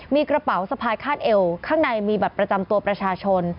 มีกระเป๋าสะพายคาดเอวข้างในมีบัตรประจำตัวประชาชน